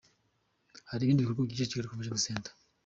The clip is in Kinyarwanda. Hari ibindi bikorwa bikikije Kigali Convention Centre.